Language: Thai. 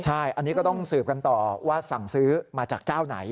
ใช่อันนี้ก็ต้องสืบกันต่อว่าสั่งซื้อมาจากเจ้าไหน